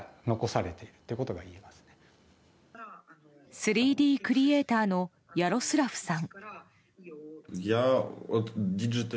３Ｄクリエーターのヤロスラフさん。